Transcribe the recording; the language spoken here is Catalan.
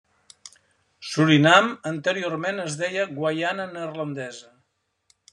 Surinam anteriorment es deia Guaiana Neerlandesa.